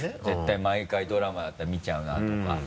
絶対毎回ドラマだったら見ちゃうなとか。